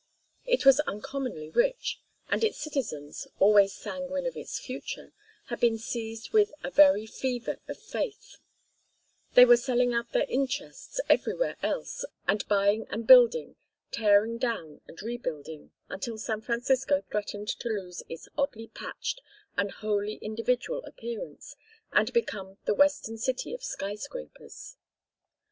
It was uncommonly rich, and its citizens, always sanguine of its future, had been seized with a very fever of faith; they were selling out their interests everywhere else and buying and building, tearing down and rebuilding, until San Francisco threatened to lose its oddly patched and wholly individual appearance and become the Western city of sky scrapers.